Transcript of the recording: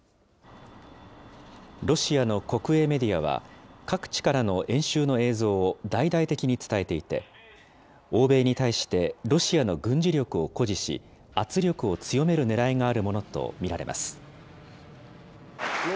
ロシアの国営メディアは、各地からの演習の映像を大々的に伝えていて、欧米に対して、ロシアの軍事力を誇示し、圧力を強めるねらいがあるものと見られます。